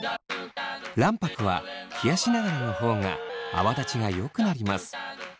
卵白は冷やしながらの方が泡立ちがよくなります。